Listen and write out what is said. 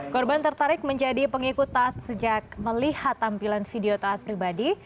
korban tertarik menjadi pengikut tas sejak melihat tampilan video taat pribadi